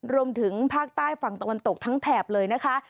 รวมถึงภาคใต้ฝั่งตะวันตกทั้งแถบเลยนะคะ